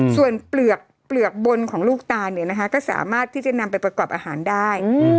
ส่วนเปลือกบนของลูกตาลก็สามารถที่จะนำไปประกอบอาหารได้